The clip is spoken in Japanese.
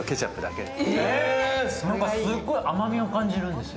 すっごい甘みを感じるんです。